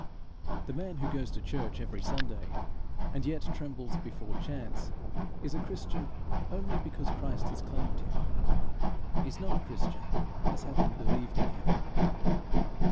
The man who goes to church every Sunday, and yet trembles before chance, is a Christian only because Christ has claimed him; is not a Christian as having believed in Him.